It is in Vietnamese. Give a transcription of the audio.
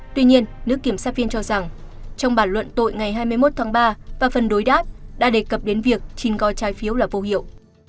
tuy nhiên nước kiểm sát viên cho rằng trong bản luận tội ngày hai mươi một tháng ba và phần đối đáp đã đề cập đến việc chín coi trái phiếu là vô hiệu